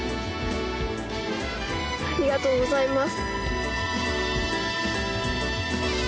ありがとうございます。